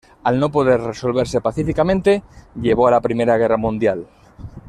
Al no poder resolverse pacíficamente, llevó a la Primera Guerra Mundial.